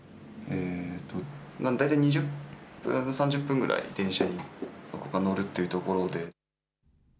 大体２０分から３０分ぐらい電車に乗るというところで。